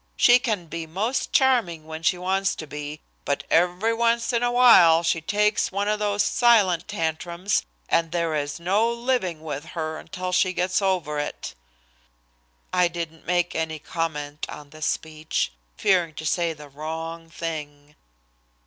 She can be most charming when she wants to be, but every once in a while she takes one of those silent tantrums, and there is no living with her until she gets over it." I didn't make any comment on this speech, fearing to say the wrong thing.